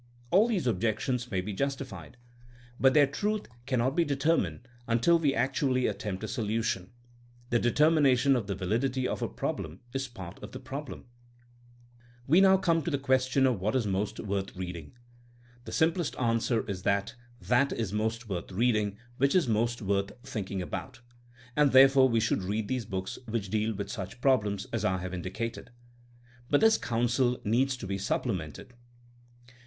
All these objections may be justified. But their truth cannot be deter THINKING AS A SCIENCE 227 mined until we actually attempt a solution. The determination of the validity of a problem is part of the problem. We come now to the question of what is most worth reading. The simplest answer is that that is most worth reading which is most worth thinking about, and therefore we should read those books which deal with such problems as I have indicated. But this counsel needs to be supplemented.